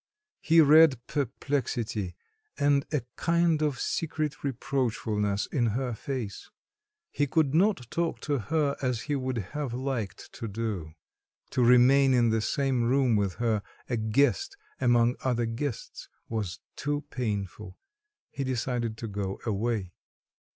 He read perplexity and a kind of secret reproachfulness in her face. He could not talk to her as he would have liked to do; to remain in the same room with her, a guest among other guests, was too painful; he decided to go away.